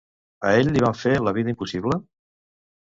A ell li van fer la vida impossible?